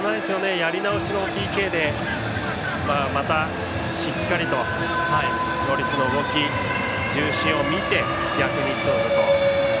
やり直しのＰＫでまたしっかりとロリスの動き重心を見て、逆に蹴ると。